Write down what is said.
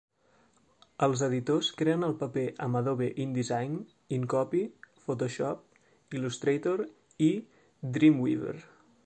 Els editors creen el paper amb Adobe InDesign, InCopy, Photoshop, Illustrator i Dreamweaver.